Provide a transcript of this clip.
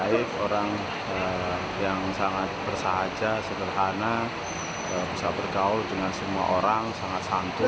herman ini orang yang sangat baik orang yang sangat bersahaja sederhana bisa bergaul dengan semua orang sangat santu